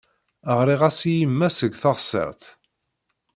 Ɣriɣ-as i yemma seg teɣsert.